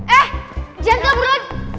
eh jangan kabur lagi